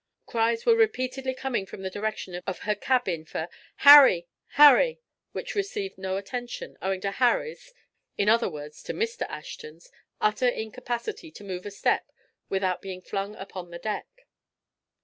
Cries were repeatedly coming from the direction of her cabin for "Harry! Harry!" which received no attention, owing to Harry's—in other words, to Mr. Ashton's—utter incapacity to move a step without being flung upon the deck.